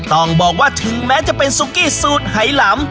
ต้องบอกว่าถึงแม้จะเป็นซุกี้สูตรไหลำ